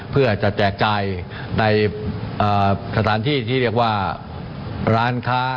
เพื่อจะแจกจ่ายในสถานที่ที่เรียกว่าร้านค้า